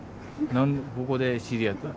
ここで知り合った。